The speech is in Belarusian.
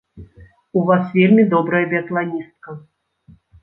У вас вельмі добрая біятланістка!